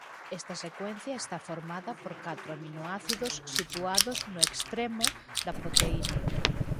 Esta secuencia está formada por catro aminoácidos situados no extremo da proteína.